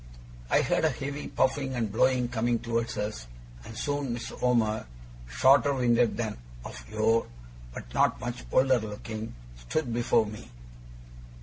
I heard a heavy puffing and blowing coming towards us, and soon Mr. Omer, shorter winded than of yore, but not much older looking, stood before me.